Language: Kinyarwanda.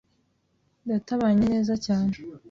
Data abanye neza cyane.